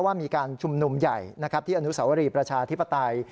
ว่ามีการชุมนุมใหญ่ที่อนุสาวรีประชาธิปไตย